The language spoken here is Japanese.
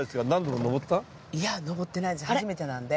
いや上ってないです。